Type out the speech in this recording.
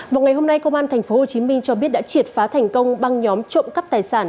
vào ngày hôm nay công an tp hcm cho biết đã triệt phá thành công băng nhóm trộm cắp tài sản